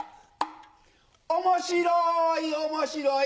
面白い面白い。